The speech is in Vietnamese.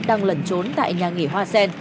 đang lẩn trốn tại nhà nghỉ hoa sen